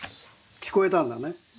聞こえたんだね。